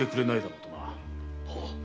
はっ。